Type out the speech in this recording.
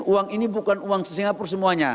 uang ini bukan uang se singapura semuanya